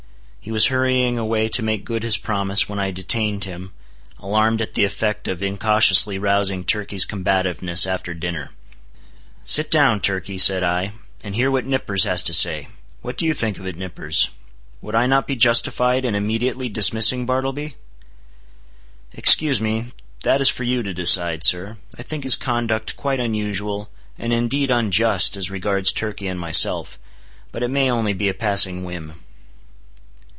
He was hurrying away to make good his promise, when I detained him, alarmed at the effect of incautiously rousing Turkey's combativeness after dinner. "Sit down, Turkey," said I, "and hear what Nippers has to say. What do you think of it, Nippers? Would I not be justified in immediately dismissing Bartleby?" "Excuse me, that is for you to decide, sir. I think his conduct quite unusual, and indeed unjust, as regards Turkey and myself. But it may only be a passing whim."